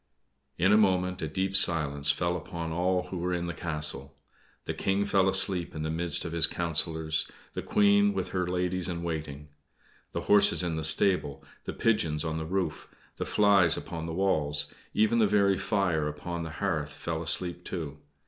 In a moment a deep silence fell upon all who were in the castle. The King fell asleep in the midst of his councillors, the Queen with her ladies in waiting. The horses in the stable, the pigeons on the roof, the flies upon the walls, even the very fire upon the hearth fell asleep, too.